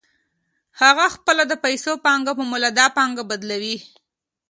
هغه خپله د پیسو پانګه په مولده پانګه بدلوي